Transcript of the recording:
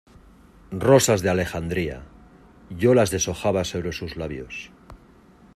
¡ rosas de Alejandría, yo las deshojaba sobre sus labios!